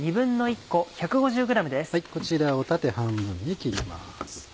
こちらを縦半分に切ります。